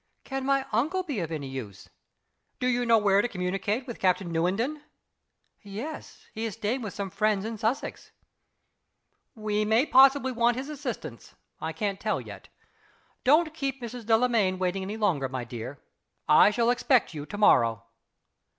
"Can my uncle be of any use?" "Do you know where to communicate with Captain Newenden?" "Yes he is staying with some friends in Sussex." "We may possibly want his assistance. I can't tell yet. Don't keep Mrs. Delamayn waiting any longer, my dear. I shall expect you to morrow."